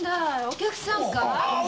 お客さんかい？